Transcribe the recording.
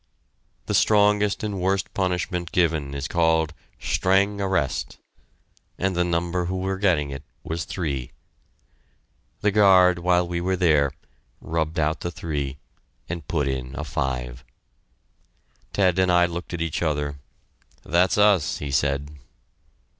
The strongest and worst punishment given is called "Streng Arrest," and the number who were getting it was three. The guard, while we were there, rubbed out the 3 and put in a 5. Ted and I looked at each other. "That's us," he said.